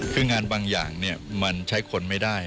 คืองานบางอย่างมันใช้คนไม่ได้